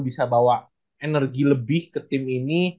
bisa bawa energi lebih ke tim ini